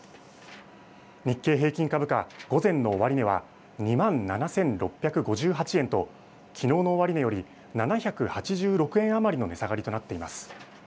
日経平均株価、午前の終値は２万７６５８円ときのうの終値より７８６円余りの値下がりとなっています。